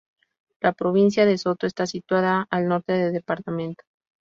La provincia de Soto está situada al norte del departamento.